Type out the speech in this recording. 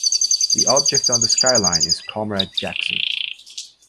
The object on the skyline is Comrade Jackson.